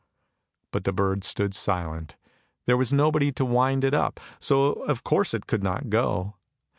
" But the bird stood silent, there was nobody to wind it up, so of course it could not go.